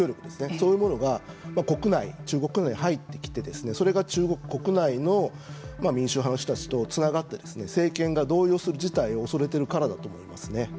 そういうものが、国内中国国内に入ってきてそれが中国国内の民主派の人たちとつながって政権が動揺する事態を恐れてるからだと思いますね。